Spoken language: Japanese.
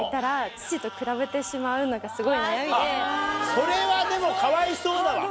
それはでもかわいそうだわ。